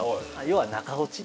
要は中落ち。